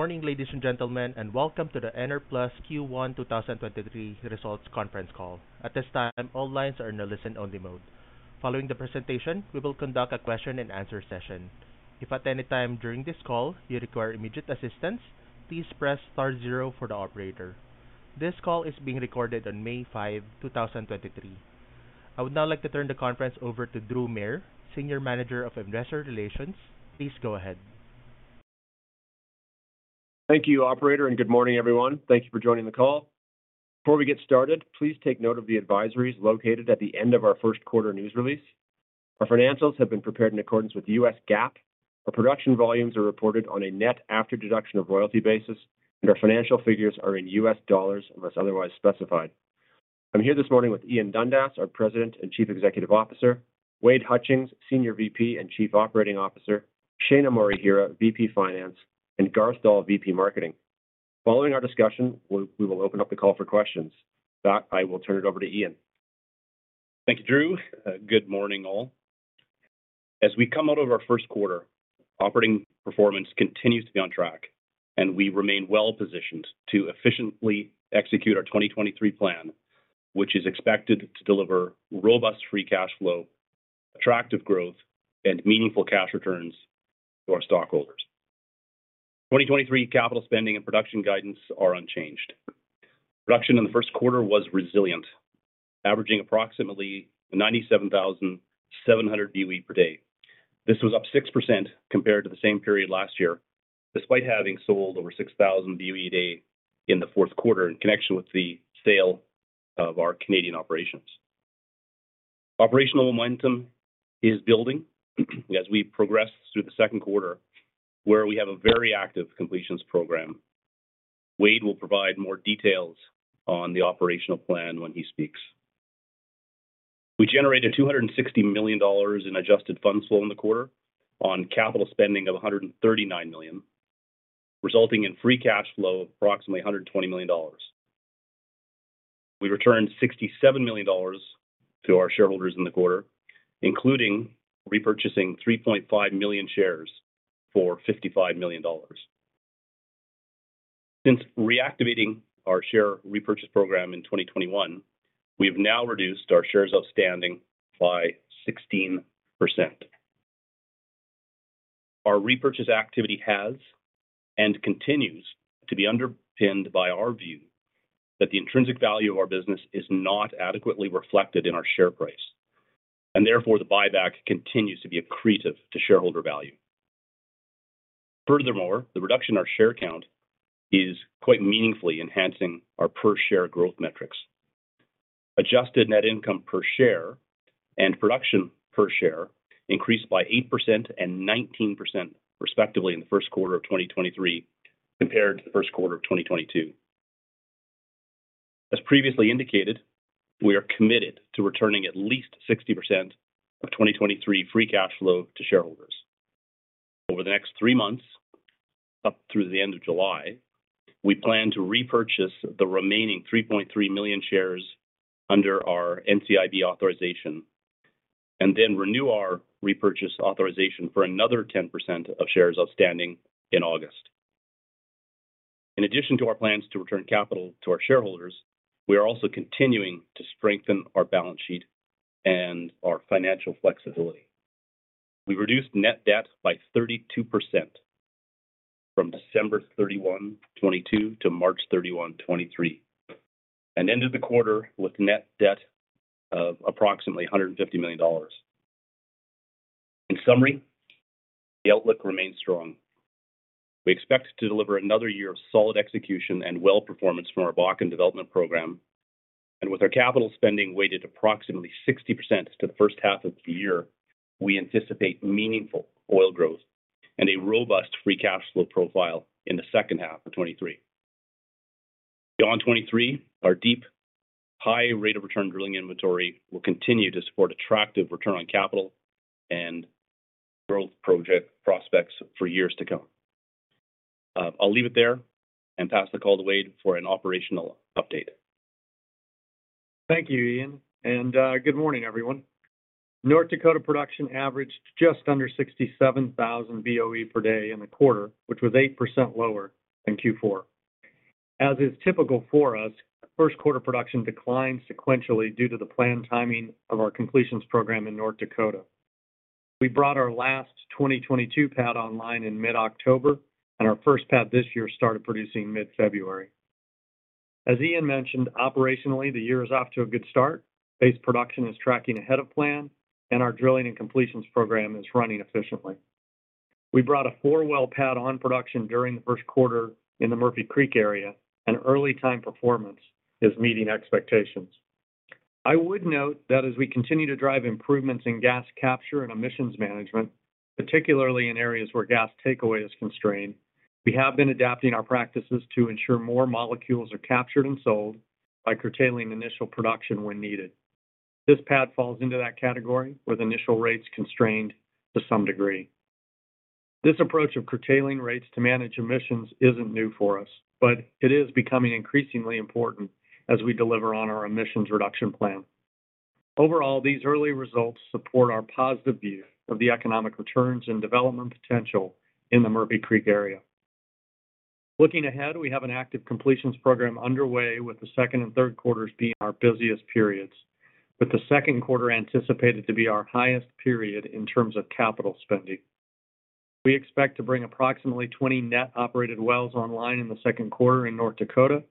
Morning, ladies and gentlemen, welcome to the Enerplus Q1 2023 Results Conference Call. At this time, all lines are in a listen-only mode. Following the presentation, we will conduct a question-and-answer session. If at any time during this call you require immediate assistance, please press star zero for the operator. This call is being recorded on May 5, 2023. I would now like to turn the conference over to Drew Mair, Senior Manager, Investor Relations. Please go ahead. Thank you, operator. Good morning, everyone. Thank you for joining the call. Before we get started, please take note of the advisories located at the end of our first quarter news release. Our financials have been prepared in accordance with the U.S. GAAP. Our production volumes are reported on a net after deduction of royalty basis. Our financial figures are in U.S. dollars unless otherwise specified. I'm here this morning with Ian Dundas, our President and Chief Executive Officer, Wade Hutchings, Senior VP and Chief Operating Officer, Shaina Morihira, VP Finance, and Garth Doll, VP Marketing. Following our discussion, we will open up the call for questions. With that, I will turn it over to Ian. Thank you, Drew. Good morning, all. As we come out of our first quarter, operating performance continues to be on track, and we remain well-positioned to efficiently execute our 2023 plan, which is expected to deliver robust free cash flow, attractive growth, and meaningful cash returns to our stockholders. 2023 capital spending and production guidance are unchanged. Production in the first quarter was resilient, averaging approximately 97,700 BOE per day. This was up 6% compared to the same period last year, despite having sold over 6,000 BOE day in the fourth quarter in connection with the sale of our Canadian operations. Operational momentum is building as we progress through the second quarter, where we have a very active completions program. Wade will provide more details on the operational plan when he speaks. We generated $260 million in adjusted funds flow in the quarter on capital spending of $139 million, resulting in free cash flow of approximately $120 million. We returned $67 million to our shareholders in the quarter, including repurchasing 3.5 million shares for $55 million. Since reactivating our share repurchase program in 2021, we have now reduced our shares outstanding by 16%. Our repurchase activity has and continues to be underpinned by our view that the intrinsic value of our business is not adequately reflected in our share price, and therefore the buyback continues to be accretive to shareholder value. Furthermore, the reduction in our share count is quite meaningfully enhancing our per share growth metrics. Adjusted net income per share and production per share increased by 8% and 19% respectively in the first quarter of 2023 compared to the first quarter of 2022. Previously indicated, we are committed to returning at least 60% of 2023 free cash flow to shareholders. Over the next three months, up through the end of July, we plan to repurchase the remaining 3.3 million shares under our NCIB authorization and then renew our repurchase authorization for another 10% of shares outstanding in August. In addition to our plans to return capital to our shareholders, we are also continuing to strengthen our balance sheet and our financial flexibility. We reduced net debt by 32% from December 31, 2022 to March 31, 2023, and ended the quarter with net debt of approximately $150 million. In summary, the outlook remains strong. We expect to deliver another year of solid execution and well performance from our Bakken development program. With our capital spending weighted approximately 60% to the first half of the year, we anticipate meaningful oil growth and a robust free cash flow profile in the second half of 2023. Beyond 2023, our deep high rate of return drilling inventory will continue to support attractive return on capital and growth project prospects for years to come. I'll leave it there and pass the call to Wade for an operational update. Thank you, Ian. Good morning, everyone. North Dakota production averaged just under 67,000 BOE per day in the quarter, which was 8% lower than Q4. As is typical for us, first quarter production declined sequentially due to the planned timing of our completions program in North Dakota. We brought our last 2022 pad online in mid-October. Our first pad this year started producing mid-February. As Ian mentioned, operationally, the year is off to a good start. Base production is tracking ahead of plan. Our drilling and completions program is running efficiently. We brought a four-well pad on production during the first quarter in the Murphy Creek area. Early time performance is meeting expectations. I would note that as we continue to drive improvements in gas capture and emissions management, particularly in areas where gas takeaway is constrained, we have been adapting our practices to ensure more molecules are captured and sold by curtailing initial production when needed. This pad falls into that category, with initial rates constrained to some degree. This approach of curtailing rates to manage emissions isn't new for us, but it is becoming increasingly important as we deliver on our emissions reduction plan. Overall, these early results support our positive view of the economic returns and development potential in the Murphy Creek area. Looking ahead, we have an active completions program underway, with the second and third quarters being our busiest periods, with the second quarter anticipated to be our highest period in terms of capital spending. We expect to bring approximately 20 net operated wells online in the second quarter in North Dakota,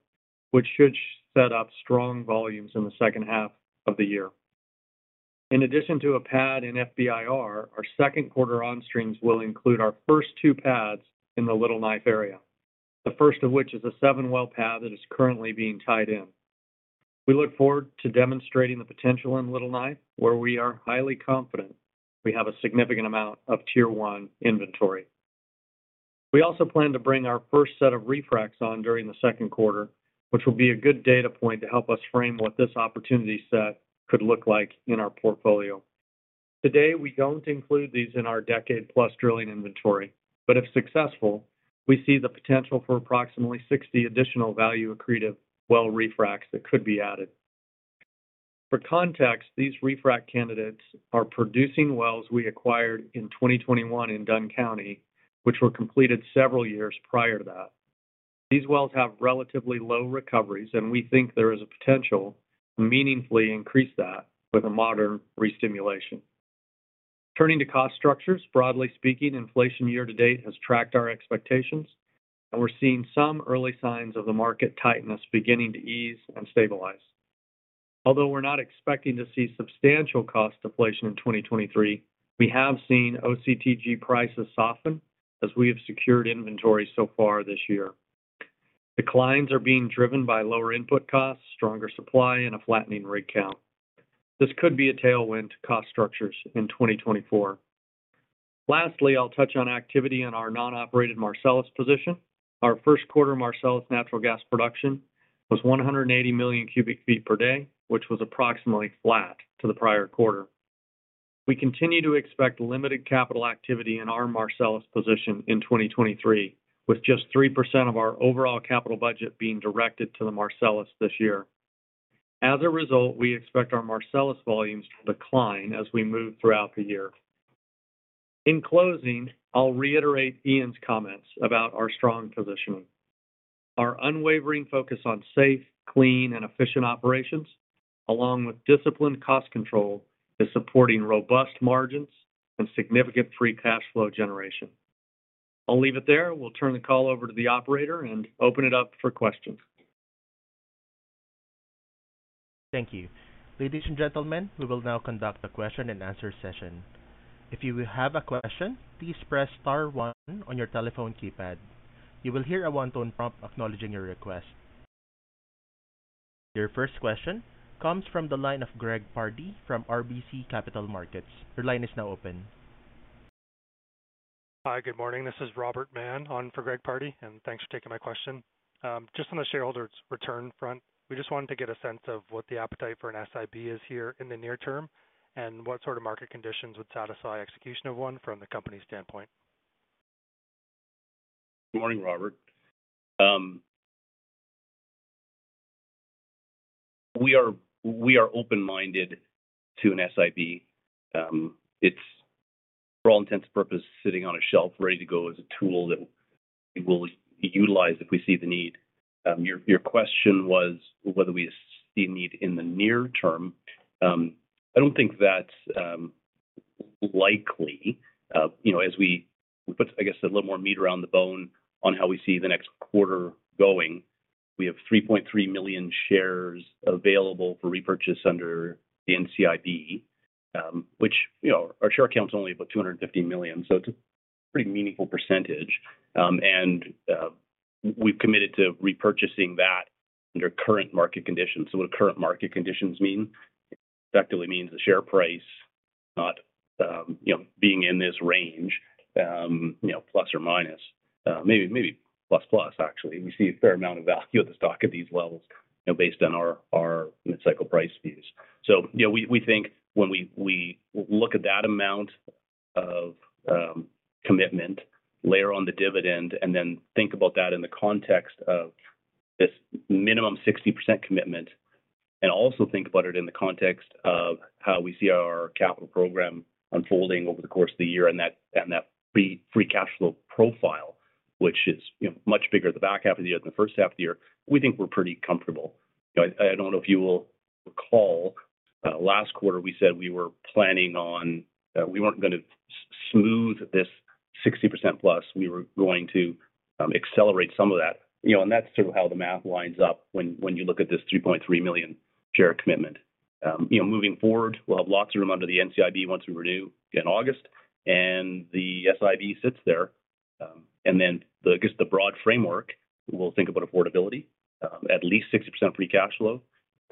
which should set up strong volumes in the second half of the year. In addition to a pad in FBIR, our second quarter onstreams will include our first two pads in the Little Knife area, the first of which is a seven-well pad that is currently being tied in. We look forward to demonstrating the potential in Little Knife, where we are highly confident we have a significant amount of Tier 1 inventory. We also plan to bring our first set of refracs on during the second quarter, which will be a good data point to help us frame what this opportunity set could look like in our portfolio. Today, we don't include these in our decade-plus drilling inventory, but if successful, we see the potential for approximately 60 additional value accretive well refracs that could be added. For context, these refrac candidates are producing wells we acquired in 2021 in Dunn County, which were completed several years prior to that. These wells have relatively low recoveries. We think there is a potential to meaningfully increase that with a modern re-stimulation. Turning to cost structures. Broadly speaking, inflation year to date has tracked our expectations. We're seeing some early signs of the market tightness beginning to ease and stabilize. Although we're not expecting to see substantial cost deflation in 2023, we have seen OCTG prices soften as we have secured inventory so far this year. Declines are being driven by lower input costs, stronger supply, and a flattening rig count. This could be a tailwind to cost structures in 2024. Lastly, I'll touch on activity in our non-operated Marcellus position. Our first quarter Marcellus natural gas production was 180 million cu ft per day, which was approximately flat to the prior quarter. We continue to expect limited capital activity in our Marcellus position in 2023, with just 3% of our overall capital budget being directed to the Marcellus this year. As a result, we expect our Marcellus volumes to decline as we move throughout the year. In closing, I'll reiterate Ian's comments about our strong positioning. Our unwavering focus on safe, clean, and efficient operations, along with disciplined cost control, is supporting robust margins and significant free cash flow generation. I'll leave it there. We'll turn the call over to the operator and open it up for questions. Thank you. Ladies and gentlemen, we will now conduct a question-and-answer session. If you have a question, please press star one on your telephone keypad. You will hear a one-tone prompt acknowledging your request. Your first question comes from the line of Greg Pardy from RBC Capital Markets. Your line is now open. Hi. Good morning. This is Robert Mann on for Greg Pardy, and thanks for taking my question. Just on the shareholders return front, we just wanted to get a sense of what the appetite for an SIB is here in the near term and what sort of market conditions would satisfy execution of one from the company's standpoint. Good morning, Robert. We are open-minded to an SIB. It's, for all intents and purposes, sitting on a shelf ready to go as a tool that we'll utilize if we see the need. Your question was whether we see need in the near term. I don't think that's likely. You know, as we put, I guess, a little more meat around the bone on how we see the next quarter going. We have 3.3 million shares available for repurchase under the NCIB, which, you know, our share count is only about 250 million, so it's a pretty meaningful percentage. We've committed to repurchasing that under current market conditions. What do current market conditions mean? It effectively means the share price, not, you know, being in this range, you know, plus or minus, maybe plus, actually. We see a fair amount of value of the stock at these levels, you know, based on our mid-cycle price views. You know, we think when we look at that amount of commitment later on the dividend and then think about that in the context of this minimum 60% commitment, and also think about it in the context of how we see our capital program unfolding over the course of the year, and that free cash flow profile, which is, you know, much bigger the back half of the year than the first half of the year. We think we're pretty comfortable. You know, I don't know if you will recall, last quarter, we said we were planning on, we weren't gonna smooth this 60% plus. We were going to accelerate some of that. You know, and that's sort of how the math lines up when you look at this 3.3 million share commitment. You know, moving forward, we'll have lots of room under the NCIB once we renew in August and the SIB sits there. Then, I guess, the broad framework, we'll think about affordability, at least 60% free cash flow.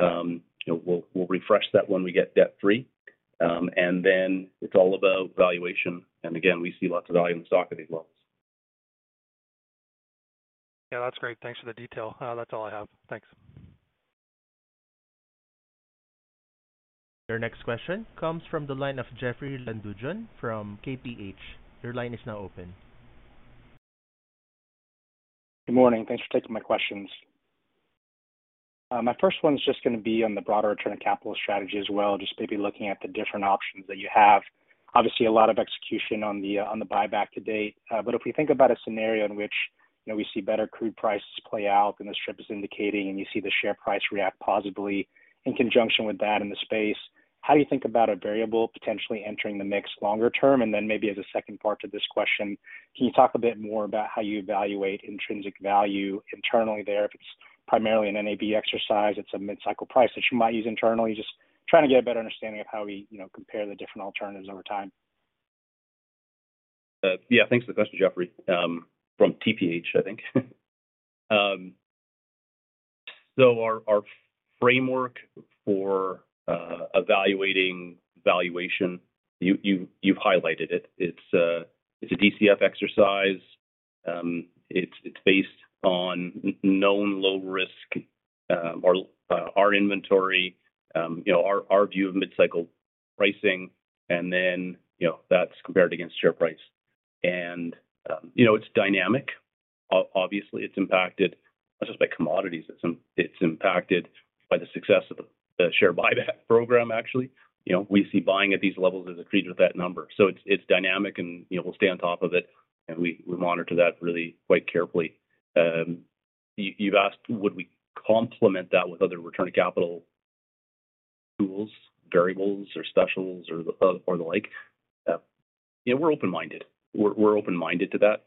You know, we'll refresh that when we get debt-free. Then it's all about valuation. Again, we see lots of value in the stock at these levels. Yeah, that's great. Thanks for the detail. That's all I have. Thanks. Your next question comes from the line of Jeoffrey Lambujon from TPH. Your line is now open. Good morning. Thanks for taking my questions. My first one is just gonna be on the broader return on capital strategy as well, just maybe looking at the different options that you have. Obviously, a lot of execution on the, on the buyback to date. If we think about a scenario in which, you know, we see better crude prices play out than the strip is indicating, and you see the share price react positively in conjunction with that in the space, how do you think about a variable potentially entering the mix longer term? Maybe as a second part to this question, can you talk a bit more about how you evaluate intrinsic value internally there, if it's primarily an NCIB exercise, it's a mid-cycle price that you might use internally? Just trying to get a better understanding of how we, you know, compare the different alternatives over time. Yeah. Thanks for the question, Jeoffrey, from TPH, I think. Our framework for evaluating valuation, you've highlighted it. It's a, it's a DCF exercise. It's, it's based on known low risk, our inventory, you know, our view of mid-cycle pricing, you know, that's compared against share price. You know, it's dynamic. Obviously, it's impacted not just by commodities, it's impacted by the success of the share buyback program, actually. You know, we see buying at these levels as accretive to that number. It's, it's dynamic and, you know, we'll stay on top of it, and we monitor that really quite carefully. You've asked, would we complement that with other return of capital tools, variables or specials or the like. Yeah, we're open-minded. We're open-minded to that.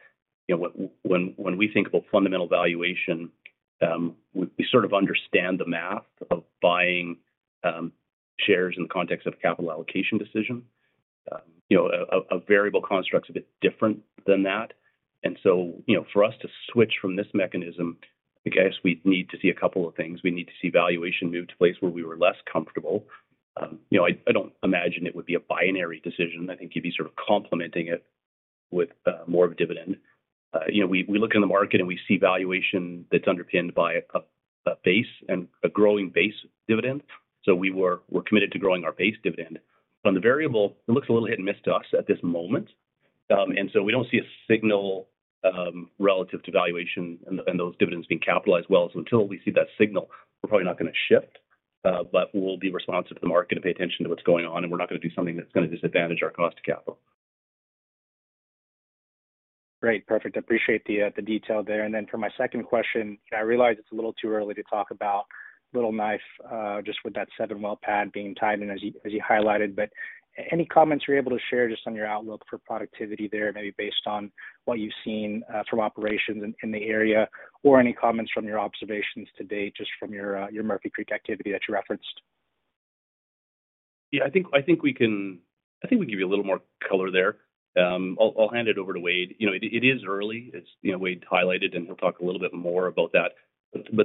You know, when we think about fundamental valuation, we sort of understand the math of buying shares in the context of a capital allocation decision. You know, a variable construct's a bit different than that. You know, for us to switch from this mechanism, I guess we'd need to see a couple of things. We need to see valuation move to a place where we were less comfortable. You know, I don't imagine it would be a binary decision. I think you'd be sort of complementing it with more of a dividend. You know, we look in the market, and we see valuation that's underpinned by a base and a growing base dividend. We're committed to growing our base dividend. On the variable, it looks a little hit-and-miss to us at this moment. We don't see a signal relative to valuation and those dividends being capitalized well. Until we see that signal, we're probably not gonna shift, but we'll be responsive to the market and pay attention to what's going on, and we're not gonna do something that's gonna disadvantage our cost of capital. Great. Perfect. Appreciate the detail there. Then for my second question, I realize it's a little too early to talk about Little Knife, just with that seven-well pad being tied in as you highlighted. Any comments you're able to share just on your outlook for productivity there, maybe based on what you've seen from operations in the area, or any comments from your observations to date, just from your Murphy Creek activity that you referenced? Yeah, I think we can give you a little more color there. I'll hand it over to Wade. You know, it is early. It's, you know, Wade highlighted, and he'll talk a little bit more about that.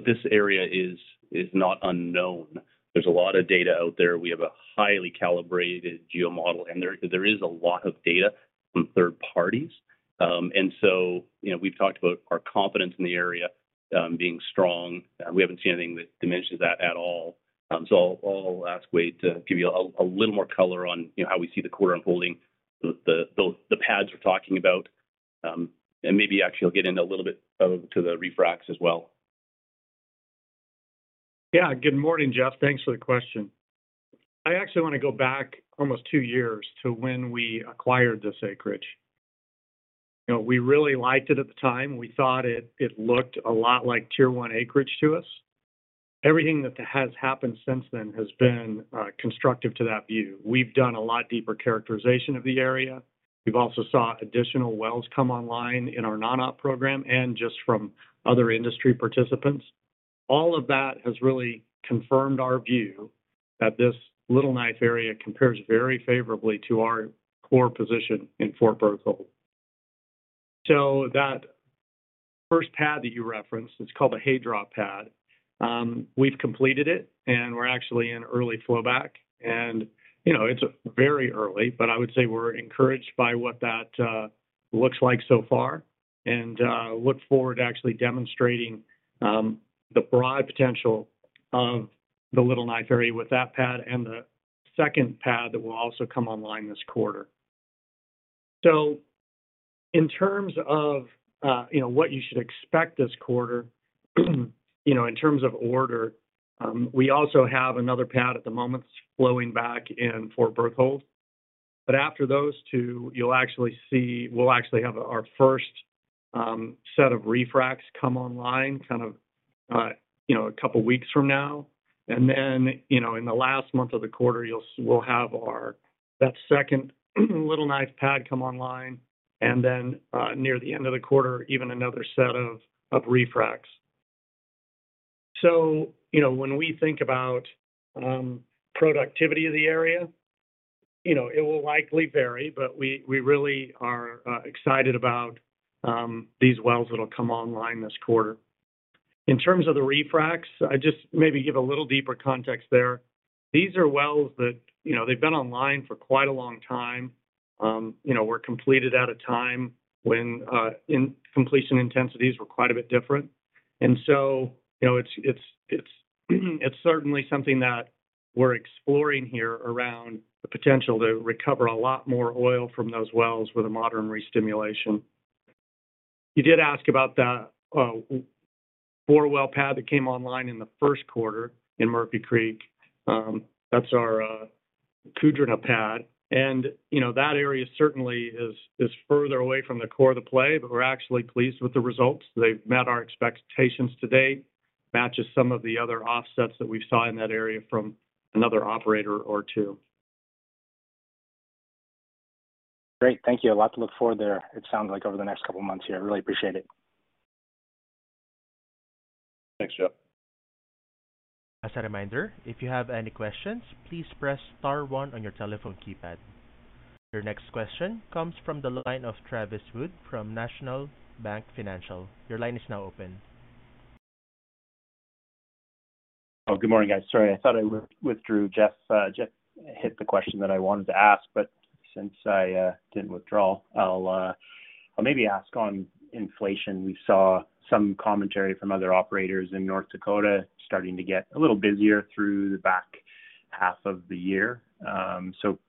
This area is not unknown. There's a lot of data out there. We have a highly calibrated geomodel, and there is a lot of data from third parties. You know, we've talked about our confidence in the area, being strong. We haven't seen anything that diminishes that at all. I'll ask Wade to give you little more color on, you know, how we see the quarter unfolding, the pads we're talking about, and maybe actually he'll get into a little bit to the refracs as well. Good morning, Jeff. Thanks for the question. I actually wanna go back almost two years to when we acquired this acreage. You know, we really liked it at the time. We thought it looked a lot like Tier 1 acreage to us. Everything that has happened since then has been constructive to that view. We've done a lot deeper characterization of the area. We've also saw additional wells come online in our non-op program and just from other industry participants. All of that has really confirmed our view that this Little Knife area compares very favorably to our core position in Fort Berthold. That first pad that you referenced, it's called the Hydro pad. We've completed it, and we're actually in early flowback. You know, it's very early, but I would say we're encouraged by what that looks like so far and look forward to actually demonstrating the broad potential of the Little Knife area with that pad and the second pad that will also come online this quarter. In terms of, you know, what you should expect this quarter, you know, in terms of order, we also have another pad at the moment that's flowing back in Fort Berthold. After those two, we'll actually have our first set of refracs come online kind of, you know, couple of weeks from now. You know, in the last month of the quarter, we'll have that secnd Little Knife pad come online and then near the end of the quarter, even another set of refracs. You know, when we think about productivity of the area, you know, it will likely vary, but we really are excited about these wells that'll come online this quarter. In terms of the refracs, I just maybe give a little deeper context there. These are wells that, you know, they've been online for quite a long time. You know, were completed at a time when in completion intensities were quite a bit different. You know, it's certainly something that we're exploring here around the potential to recover a lot more oil from those wells with a modern re-stimulation. You did ask about that four-well pad that came online in the first quarter in Murphy Creek. That's our Kudrna Pad. You know, that area certainly is further away from the core of the play, but we're actually pleased with the results. They've met our expectations to date, matches some of the other offsets that we saw in that area from another operator or two. Great. Thank you. A lot to look forward there, it sounds like over the next couple of months here. I really appreciate it. Thanks, Jeff. As a reminder, if you have any questions, please press star one on your telephone keypad. Your next question comes from the line of Travis Wood from National Bank Financial. Your line is now open. Good morning, guys. Sorry, I thought I withdrew. Jeff's, Jeff hit the question that I wanted to ask, but since I didn't withdraw, I'll maybe ask on inflation. We saw some commentary from other operators in North Dakota starting to get a little busier through the back half of the year.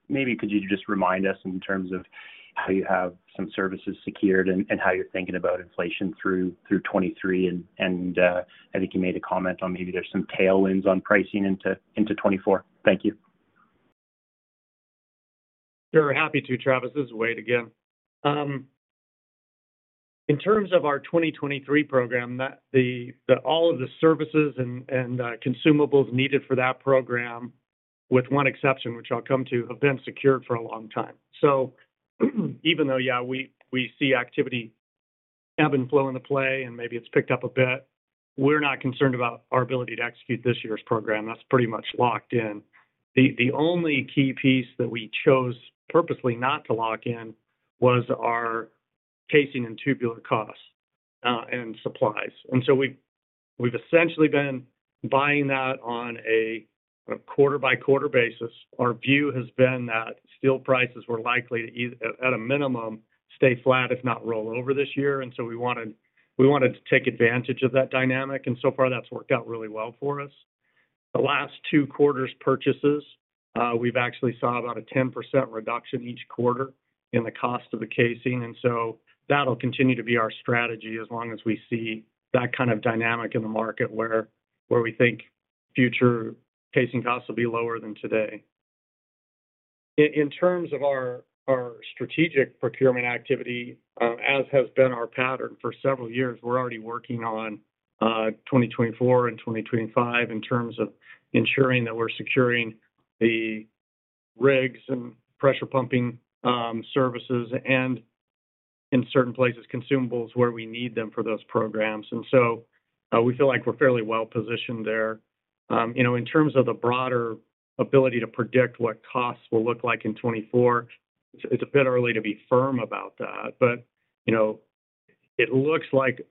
Maybe could you just remind us in terms of how you have some services secured and how you're thinking about inflation through 2023. I think you made a comment on maybe there's some tailwinds on pricing into 2024. Thank you. Sure. Happy to, Travis. This is Wade again. In terms of our 2023 program, all of the services and consumables needed for that program, with one exception, which I'll come to, have been secured for a long time. Even though, yeah, we see activity ebb and flow in the play and maybe it's picked up a bit, we're not concerned about our ability to execute this year's program. That's pretty much locked in. The only key piece that we chose purposely not to lock in was our casing and tubular costs and supplies. We've essentially been buying that on a quarter-by-quarter basis. Our view has been that steel prices were likely to at a minimum, stay flat, if not roll over this year. We wanted to take advantage of that dynamic, and so far that's worked out really well for us. The last two quarters' purchases, we've actually saw about a 10% reduction each quarter in the cost of the casing, and so that'll continue to be our strategy as long as we see that kind of dynamic in the market where we think future casing costs will be lower than today. In terms of our strategic procurement activity, as has been our pattern for several years, we're already working on 2024 and 2025 in terms of ensuring that we're securing the rigs and pressure pumping services and in certain places, consumables where we need them for those programs. We feel like we're fairly well-positioned there. You know, in terms of the broader ability to predict what costs will look like in 2024, it's a bit early to be firm about that. You know, it looks like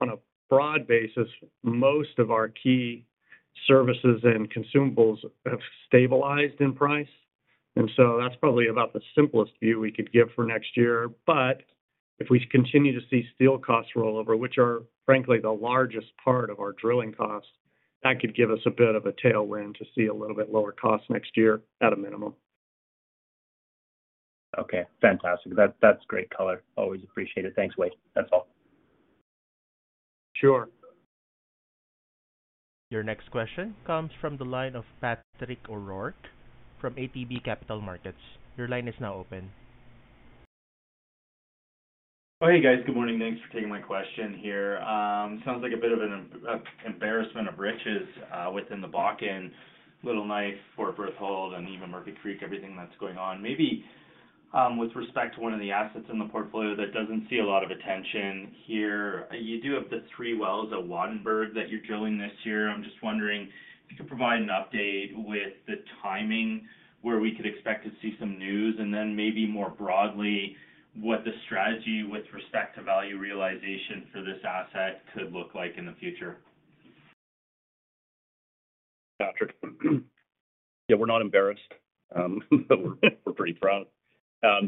on a broad basis, most of our key services and consumables have stabilized in price. That's probably about the simplest view we could give for next year. If we continue to see steel costs roll over, which are frankly the largest part of our drilling costs, that could give us a bit of a tailwind to see a little bit lower cost next year at a minimum. Okay, fantastic. That's great color. Always appreciate it. Thanks, Wade. That's all. Sure. Your next question comes from the line of Patrick O'Rourke from ATB Capital Markets. Your line is now open. Oh, hey, guys. Good morning. Thanks for taking my question here. Sounds like a bit of an embarrassment of riches within the Bakken, Little Knife, Fort Berthold, and even Murphy Creek, everything that's going on. Maybe with respect to one of the assets in the portfolio that doesn't see a lot of attention here, you do have the three wells at Wattenberg that you're drilling this year. I'm just wondering if you could provide an update with the timing where we could expect to see some news, and then maybe more broadly, what the strategy with respect to value realization for this asset could look like in the future. Patrick. Yeah, we're not embarrassed. We're pretty proud. Yeah,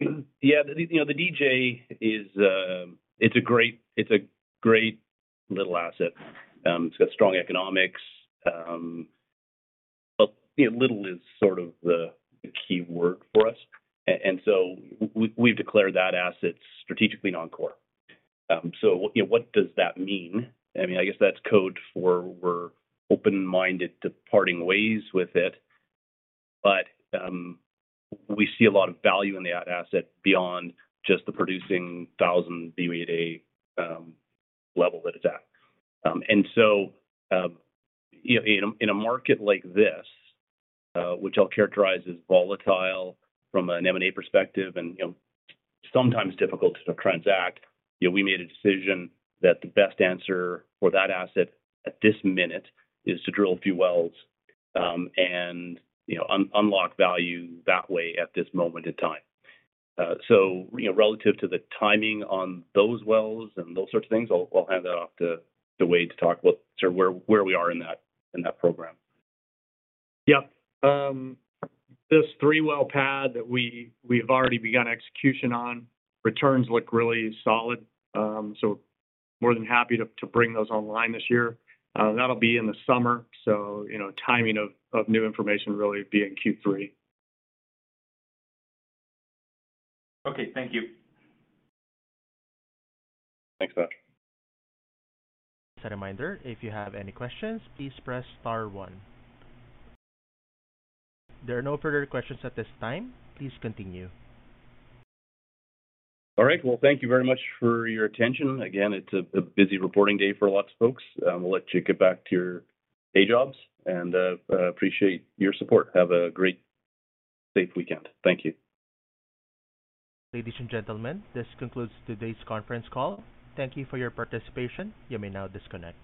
you know, the DJ is, it's a great little asset. It's got strong economics. You know, little is sort of the key word for us. So we've declared that asset strategically non-core. You know, what does that mean? I mean, I guess that's code for we're open-minded to parting ways with it. We see a lot of value in that asset beyond just the producing 1,000 BOE/d level that it's at. In a market like this, which I'll characterize as volatile from an M&A perspective and sometimes difficult to transact, we made a decision that the best answer for that asset at this minute is to drill a few wells and unlock value that way at this moment in time. Relative to the timing on those wells and those sorts of things, I'll hand that off to Wade to talk about where we are in that program. This three-well pad that we've already begun execution on, returns look really solid. More than happy to bring those online this year. That'll be in the summer. Timing of new information really be in Q3. Okay. Thank you. Thanks, Patrick. As a reminder, if you have any questions, please press star one. There are no further questions at this time. Please continue. All right. Well, thank you very much for your attention. Again, it's a busy reporting day for lots of folks. We'll let you get back to your day jobs and appreciate your support. Have a great, safe weekend. Thank you. Ladies and gentlemen, this concludes today's conference call. Thank you for your participation. You may now disconnect.